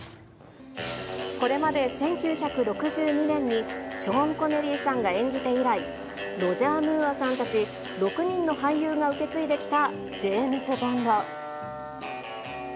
これまで１９６２年にショーン・コネリーさんが演じて以来、ロジャー・ムーアさんたち６人の俳優が受け継いできたジェームズ・ボンド。